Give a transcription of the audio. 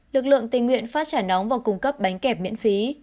lực lượng tình nguyện phát trả nóng và cung cấp bánh kẹp miễn phí